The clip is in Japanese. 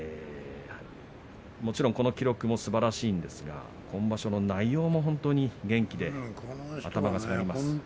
もちろん、この記録もすばらしいですが今場所の内容も玉鷲元気で頭が下がりますね。